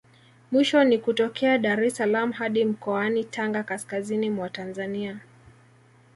Mwisho ni kutokea Dar es salaam hadi mkoani Tanga kaskazini mwa Tanzania